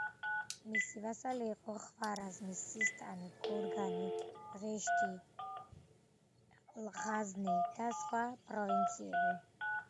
მისი ვასალი იყო ხვარაზმი, სისტანი, გორგანი, რეშთი, ღაზნი და სხვა პროვინციები.